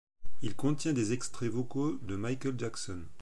Il contient des extraits vocaux de Michael Jackson.